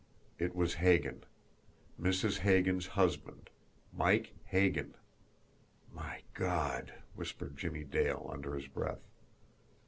It was Hagan! Mrs. Hagan's husband! Mike Hagan! "My God!" whispered Jimmie Dale, under his breath.